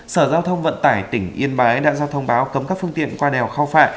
sở giao thông vận tải tỉnh yên bái đã ra thông báo cấm các phương tiện qua đèo khao phạ